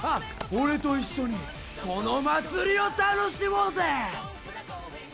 俺と一緒にこの祭りを楽しもうぜ！